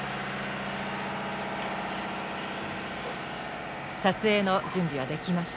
撮影の準備はできました。